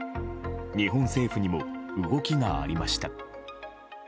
日本政府にも動きがありました。